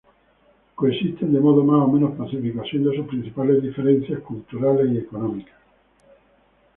Coexisten de modo más o menos pacífico, siendo sus principales diferencias culturales y económicas.